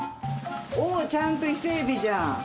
おー、ちゃんとイセエビじゃん。